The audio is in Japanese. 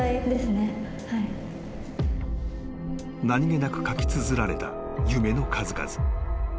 ［何げなく書きつづられた夢の数々］